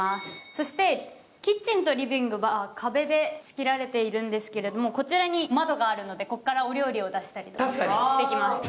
そしてキッチンとリビングは壁で仕切られているんですが、こちらに窓があるので、ここからお料理を出したりできます。